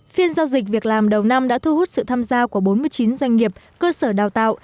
phiên giao dịch việc làm đầu năm đã thu hút sự tham gia của bốn mươi chín doanh nghiệp cơ sở đào tạo